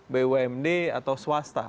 bumd atau swasta